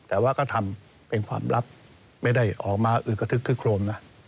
แต่ว่าก็ทำเป็นความลับไม่ได้ออกมาอึกกระทึกคึกโครมนะ